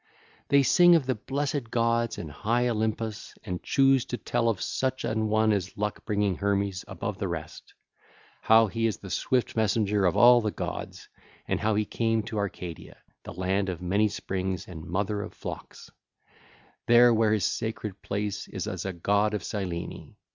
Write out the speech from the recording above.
(ll. 27 47) They sing of the blessed gods and high Olympus and choose to tell of such an one as luck bringing Hermes above the rest, how he is the swift messenger of all the gods, and how he came to Arcadia, the land of many springs and mother of flocks, there where his sacred place is as god of Cyllene.